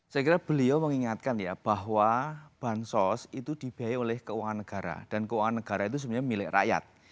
saya kira beliau mengingatkan ya bahwa bansos itu dibiayai oleh keuangan negara dan keuangan negara itu sebenarnya milik rakyat